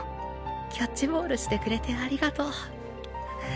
キャッチボールしてくれてありがとう。